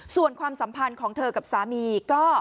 ส่วนความสัมพันธ์ของเธอกับสามีก็